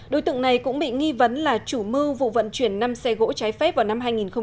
đối tượng này cũng bị nghi vấn là chủ mưu vụ vận chuyển năm xe gỗ trái phép vào năm hai nghìn một mươi